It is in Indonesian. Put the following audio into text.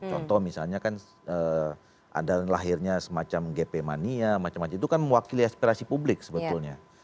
contoh misalnya kan ada lahirnya semacam gp mania macam macam itu kan mewakili aspirasi publik sebetulnya